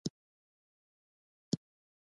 مړوندونه په کار نه ستړي کېدل